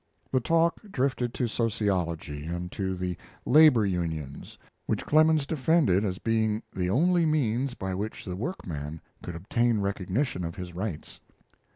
The talk drifted to sociology and to the labor unions, which Clemens defended as being the only means by which the workman could obtain recognition of his rights.